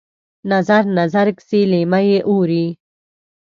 نظر، نظر کسي لېمه یې اورې